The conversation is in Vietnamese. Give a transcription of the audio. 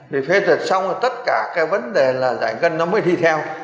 để phê duyệt xong tất cả cái vấn đề là giải ngân nó mới đi theo